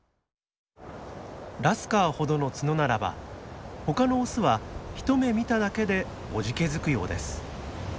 ラスカーほどの角ならば他のオスは一目見ただけでおじけづくようです。